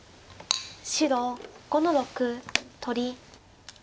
白５の六取り。